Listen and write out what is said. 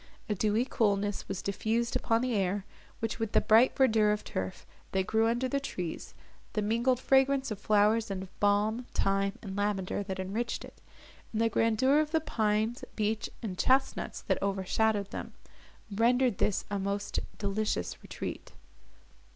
A dewy coolness was diffused upon the air, which, with the bright verdure of turf, that grew under the trees, the mingled fragrance of flowers and of balm, thyme, and lavender, that enriched it, and the grandeur of the pines, beech, and chestnuts, that overshadowed them, rendered this a most delicious retreat.